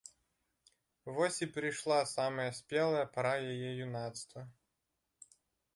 Вось і прыйшла самая спелая пара яе юнацтва!